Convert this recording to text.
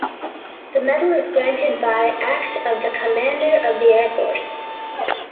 The medal is granted by act of the Commander of the Air Force.